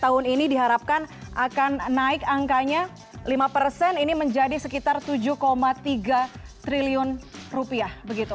tahun ini diharapkan akan naik angkanya lima persen ini menjadi sekitar tujuh tiga triliun rupiah